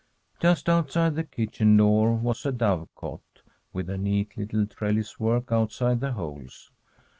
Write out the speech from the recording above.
Just outside the kitchen door was a dovecote, with a neat little trelliswork outside the holes.